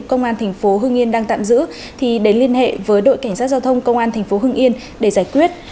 công an thành phố hưng yên đang tạm giữ thì đến liên hệ với đội cảnh sát giao thông công an tp hưng yên để giải quyết